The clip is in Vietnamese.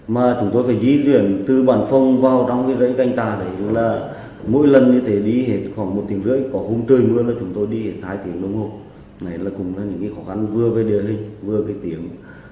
mà chúng tôi phải di chuyển